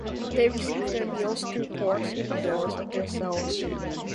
They receive their meals through ports in the doors of their cells.